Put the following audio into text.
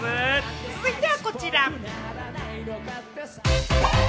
続いてはこちら。